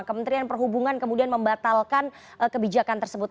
kementerian perhubungan kemudian membatalkan kebijakan tersebut